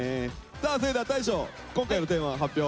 さあそれでは大昇今回のテーマの発表